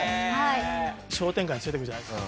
商店街に連れてくるじゃないですか。